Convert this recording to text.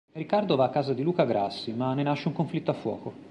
Riccardo va a casa di Luca Grassi, ma ne nasce un conflitto a fuoco.